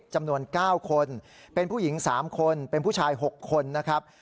จำนวน๙คนเป็นผู้หญิง๓คนเป็นผู้ชาย๖คนนะครับ